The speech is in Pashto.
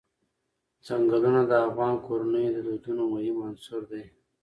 چنګلونه د افغان کورنیو د دودونو مهم عنصر دی.